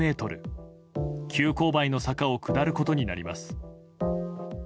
急勾配の坂を下ることになります。